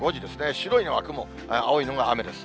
白いのが雲、青いのが雨です。